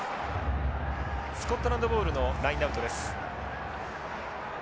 スコットランドボールのラインアウトです。